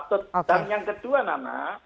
dan yang kedua nana